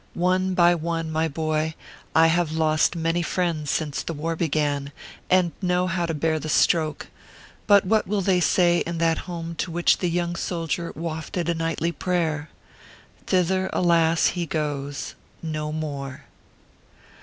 One by one, my boy, I have lost many friends since the war began, and know how to bear the stroke ; but what will they say in that home to which the young soldier wafted a nightly prayer ? Thither, alas ! he goes NO MORE.